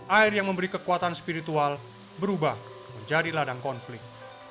air yang memberi kekuatan spiritual berubah menjadi ladang konflik